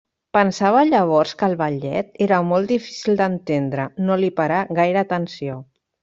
Pensava llavors que el ballet era molt difícil d'entendre, no li parà gaire atenció.